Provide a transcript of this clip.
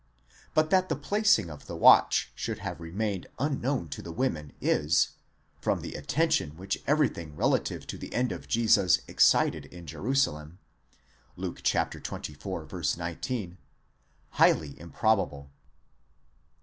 But that the placing of the watch should have remained unknown to the women is, from the attention which everything relative to the end of Jesus excited in Jerusalem (Luke xxiv. 18), highly improbable.